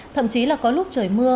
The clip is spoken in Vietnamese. thậm chí là có lúc trời mưa